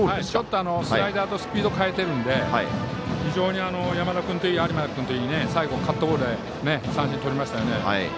スライダーとスピードを変えてるんで、非常に山田君といい、有馬君といい最後、カットボールで三振とりましたよね。